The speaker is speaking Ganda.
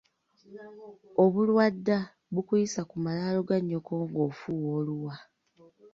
Obulwadda, bukuyisa ku malaalo ga nnyoko ng’ofuuwa oluwa.